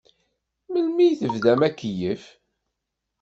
Melmi i tebdamt akeyyef?